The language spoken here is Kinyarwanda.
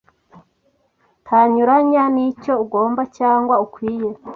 tanyuranya n’icyo ugomba cyangwa ukwiye